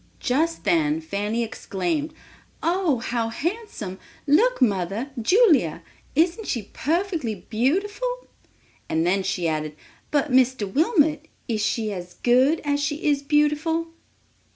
Just then Fanny exclaimed, "Oh, how handsome; look mother—Julia, isn't she perfectly beautiful!" And then she added, "But, Mr. Wilmot, is she as good as she is beautiful?"